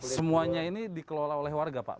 semuanya ini dikelola oleh warga pak